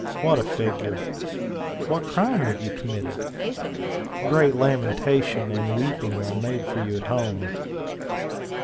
What a figure! What crime have you^ committed? Great lamentation and weeping are made foryqju' at home.'